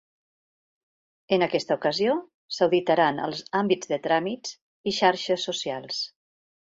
En aquesta ocasió, s'auditaran els àmbits de tràmits i xarxes socials.